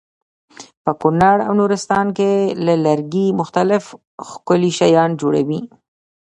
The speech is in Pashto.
په کونړ او نورستان کې له لرګي مختلف ښکلي شیان جوړوي.